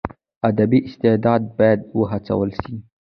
ادبي استعداد باید وهڅول سي.